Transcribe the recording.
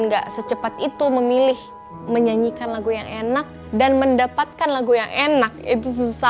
enggak secepat itu memilih menyanyikan lagu yang enak dan mendapatkan lagu yang enak itu susah